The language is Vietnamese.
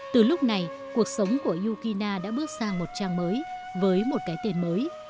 từ lúc này cuộc sống của yukina đã bước sang một trang mới với một cái tên mới